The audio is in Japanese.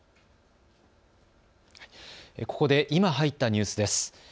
ここで今入ったニュースです。